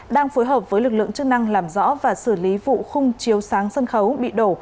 đang phối hợp với lực lượng chức năng làm rõ và xử lý vụ khung chiếu sáng sân khấu bị đổ